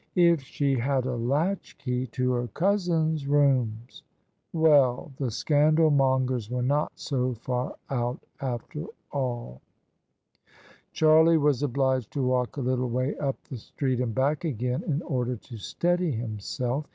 If she had a latchkey to her cousin's rooms! — Well, the scandalmongers were not so far out, after all ! Charlie was obliged to walk a little way up the street and back again in order to steady himself.